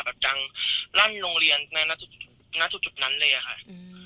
แบบดังรั่นโรงเรียนนี่อันนั้นชุดเลยอะค้า